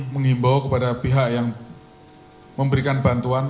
mengimbau kepada pihak yang memberikan bantuan